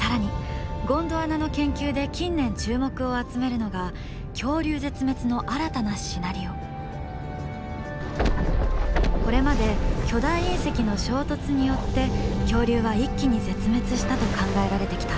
更にゴンドワナの研究で近年注目を集めるのがこれまで巨大隕石の衝突によって恐竜は一気に絶滅したと考えられてきた。